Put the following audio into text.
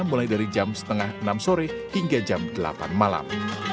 mulai dari jam setengah enam sore hingga jam delapan malam